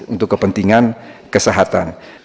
untuk kepentingan kesehatan